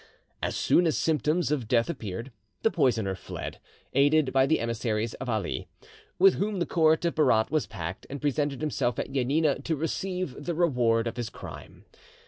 As soon as symptoms of death appeared, the poisoner fled, aided by the emissaries of All, with whom the court of Berat was packed, and presented himself at Janina to receive the reward of his crime.